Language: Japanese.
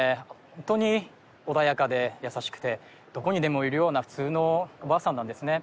ホントに穏やかで優しくてどこにでもいるような普通のおばあさんなんですね